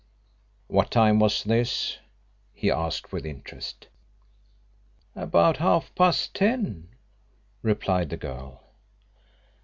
"What time was this?" he asked with interest. "About half past ten," replied the girl.